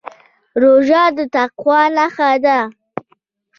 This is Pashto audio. روژه د تقوا نښه ده.